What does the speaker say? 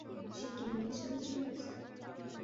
সে কি ভিকির সাথে চলে গেছে?